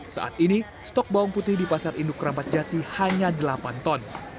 saat ini stok bawang putih di pasar induk rambat jati hanya delapan ton